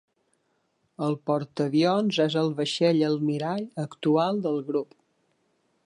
El portaavions és el vaixell almirall actual del grup.